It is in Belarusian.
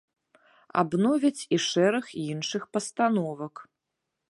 Абновяць і шэраг іншых пастановак.